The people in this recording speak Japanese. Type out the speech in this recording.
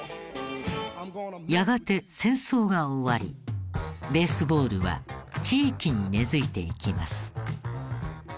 やがて戦争が終わりベースボールは地域に根付いていきます。